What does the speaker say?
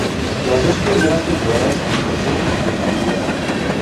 Las dos primeras temporadas las pasó en el filial.